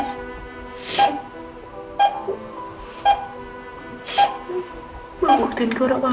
saya tidak mau